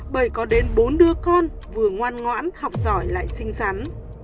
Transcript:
bởi có đến bốn đứa con vừa ngoan ngoãn học giỏi lại xinh xắn